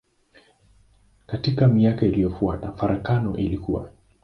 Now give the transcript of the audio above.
Katika miaka iliyofuata farakano ilikua.